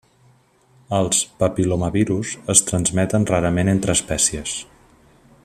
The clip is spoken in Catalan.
Els papil·lomavirus es transmeten rarament entre espècies.